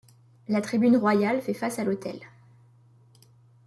La tribune royale fait face à l'autel.